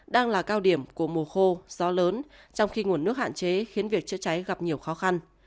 đang là cao điểm của mùa khô gió lớn trong khi nguồn nước hạn chế khiến việc chữa cháy gặp nhiều khó khăn